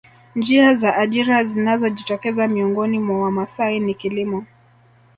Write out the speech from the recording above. Njia za ajira zinazojitokeza miongoni mwa Wamasai ni kilimo